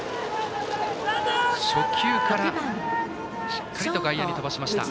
初球からしっかり外野に飛ばしました。